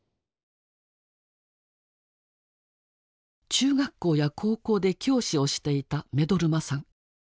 中学校や高校で教師をしていた目取真さん。